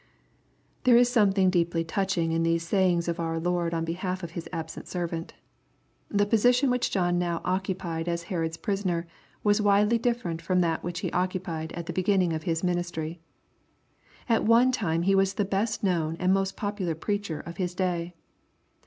There is something deeply touching in these sayings of our Lord on behalf of his absent servant. The position which John now occupied as Herod's prisoner was widely different from that which he occupied at the beginning of his ministry. At one time he was the best known and most popular preacher of his day.